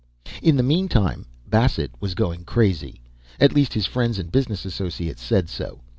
In the meantime, Bassett was going crazy at least his friends and business associates said so.